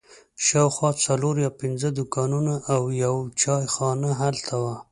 شاوخوا څلور یا پنځه دوکانونه او یوه چای خانه هلته وه.